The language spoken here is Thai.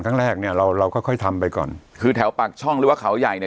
ทั้งแรกเนี้ยเราเราก็ค่อยทำไปก่อนคือแถวปากช่องเรียกว่าเขาใหญ่น่ะ